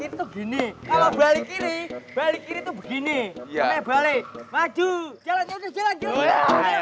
itu gini kalau balik kiri balik itu begini ya balik maju jalan jalan jalan jalan ya